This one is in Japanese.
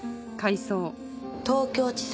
東京地裁